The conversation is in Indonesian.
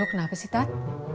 lu kenapa sih tat